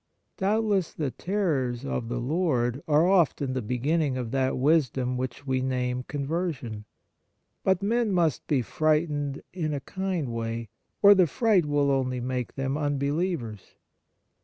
Doubtless the terrors of the Lord are often the beginning of that wisdom which we name conversion ; but men must be frightened in a kind way, or the fright will only make them unbelievers.